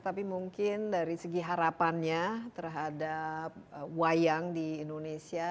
tapi mungkin dari segi harapannya terhadap wayang di indonesia